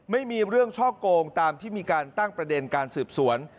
ไม่มีเรื่องช่อโกงตามที่มีการตั้งประเด็นการสืบสวน